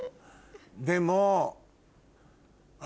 でも。